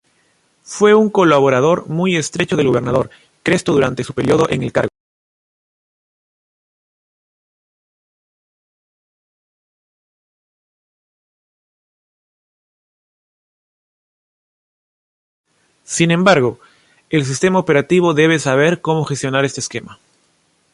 Sin embargo, el sistema operativo debe saber cómo gestionar este esquema.